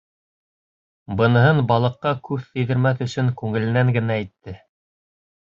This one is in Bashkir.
Быныһын балыҡҡа күҙ тейҙермәҫ өсөн күңеленән генә әйтте.